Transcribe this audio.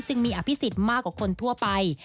มีอภิษฎมากกว่าคนทั่วไป